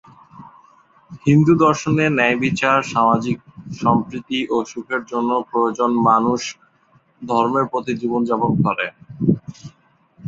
হিন্দু দর্শনে, ন্যায়বিচার, সামাজিক সম্প্রীতি ও সুখের জন্য প্রয়োজন মানুষ ধর্মের প্রতি জীবনযাপন করে।